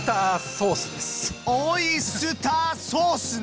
オイスターソースね！